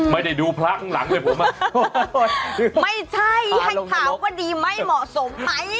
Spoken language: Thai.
ไม่ใช่ไม่ใช่ถามว่าดีไม่เหมาะสมไหม